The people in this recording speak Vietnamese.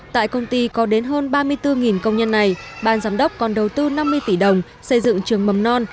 tại công ty có đến hơn ba mươi bốn công nhân này ban giám đốc còn đầu tư năm mươi tỷ đồng xây dựng trường mầm non